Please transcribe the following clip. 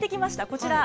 こちら。